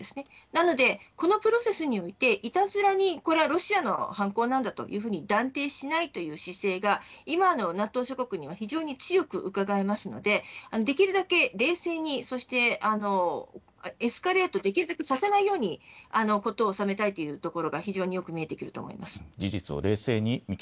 なのでこのプロセスにおいていたずらにこれはロシアの犯行なんだと断定しないという姿勢が今のＮＡＴＯ側には強く見えますので冷静にエスカレートをできるだけさせないように、ことをおさめたいということが非常に見えていると思います。